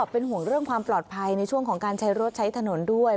เป็นห่วงเรื่องความปลอดภัยในช่วงของการใช้รถใช้ถนนด้วย